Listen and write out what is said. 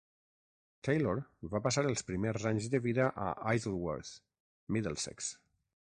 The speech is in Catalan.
Taylor va passar els primers anys de vida a Isleworth, Middlesex.